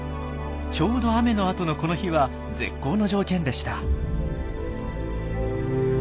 ちょうど雨のあとのこの日は絶好の条件でした。